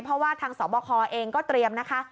เพราะว่าทางสบคเองก็เตรียมนะคะ